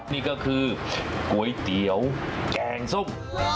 นี่ก็คือก๋วยเตี๋ยวแกงส้ม